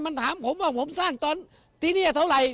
มันถามผมว่าผมสร้างตอนที่นี่เท่าไหร่